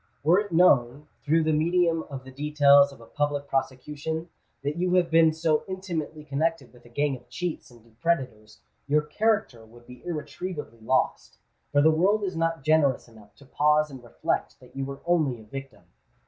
Were it known, through the medium of the details of a public prosecution, that you have been so intimately connected with a gang of cheats and depredators, your character would be irretrievably lost; for the world is not generous enough to pause and reflect that you were only a victim.